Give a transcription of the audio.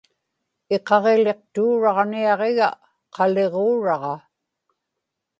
iqaġiliqtuuraġniaġiga qaliġuuraġa